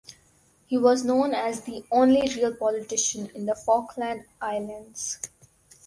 He was known as the "only real politician in the Falkland Islands".